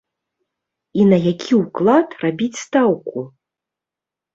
І на які ўклад рабіць стаўку?